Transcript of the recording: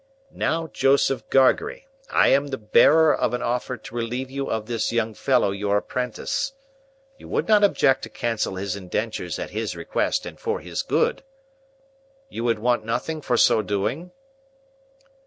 "Now, Joseph Gargery, I am the bearer of an offer to relieve you of this young fellow your apprentice. You would not object to cancel his indentures at his request and for his good? You would want nothing for so doing?"